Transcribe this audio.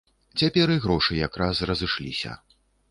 Цяпер і грошы якраз разышліся.